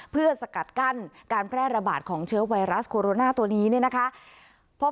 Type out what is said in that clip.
เพื่อสกัดกั้นการแพร่ระบาดของเชื้อไวรัสโคโรนาตัวนี้เนี่ยนะคะ